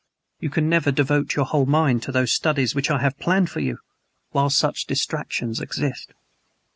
You can never devote your whole mind to those studies which I have planned for you whilst such distractions exist.